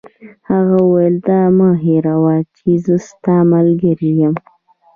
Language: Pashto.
هغه وویل: دا مه هیروئ چي زه ستا ملګری یم.